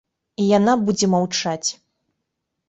І яна будзе маўчаць.